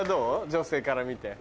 女性から見て。